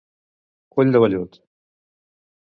Ull de vellut.